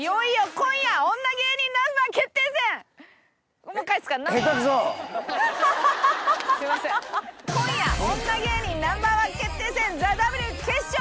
今夜『女芸人Ｎｏ．１決定戦ＴＨＥＷ』決勝です！